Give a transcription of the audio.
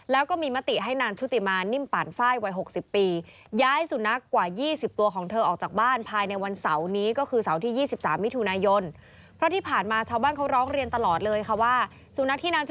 และก็มีมติให้นางชุติมาน